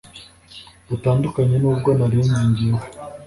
Butandukanye nubwo narinzi njyewe